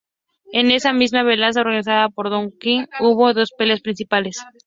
En esa misma velada, organizada por Don King, hubo dos peleas principales.